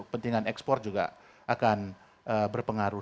kepentingan ekspor juga akan berpengaruh